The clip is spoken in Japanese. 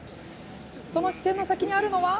その視線の先にあるのは。